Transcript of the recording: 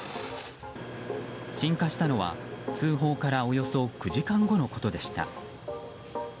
鎮火したのは通報からおよそ９時間後のことでした。